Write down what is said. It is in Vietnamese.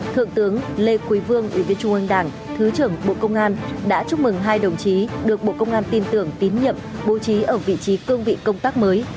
thượng tướng lê quý vương ủy viên trung ương đảng thứ trưởng bộ công an đã chúc mừng hai đồng chí được bộ công an tin tưởng tín nhiệm bố trí ở vị trí cương vị công tác mới